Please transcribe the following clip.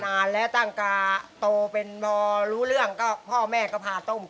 นานแล้วตั้งแต่โตเป็นพอรู้เรื่องก็พ่อแม่ก็พาต้ม